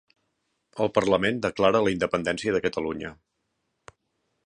El Parlament declara la independència de Catalunya